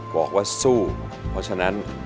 บอกว่าสู้เพราะฉะนั้น